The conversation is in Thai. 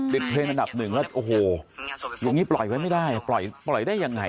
เพลงอันดับหนึ่งแล้วโอ้โหอย่างนี้ปล่อยไว้ไม่ได้ปล่อยได้ยังไง